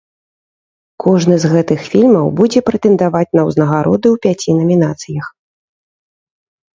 Кожны з гэтых фільмаў будзе прэтэндаваць на ўзнагароды ў пяці намінацыях.